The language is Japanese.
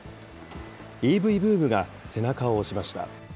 ＥＶブームが背中を押しました。